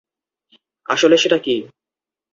আসলে সেটা কি?